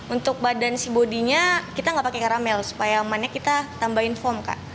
untuk badan si bodinya kita nggak pakai karamel supaya amannya kita tambahin foam kak